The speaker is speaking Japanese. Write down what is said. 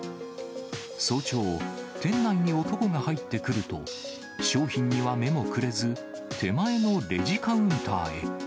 早朝、店内に男が入ってくると、商品には目もくれず、手前のレジカウンターへ。